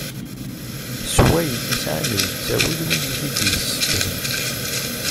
S wayen i sɛan d ttawil wid i t-id-yessekren.